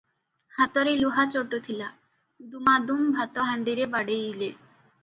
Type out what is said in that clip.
ହାତରେ ଲୁହା ଚଟୁ ଥିଲା, ଦୁମାଦୁମ୍ ଭାତ ହାଣ୍ଡିରେ ବାଡ଼େଇଲେ ।